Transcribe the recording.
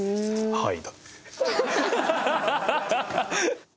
はい。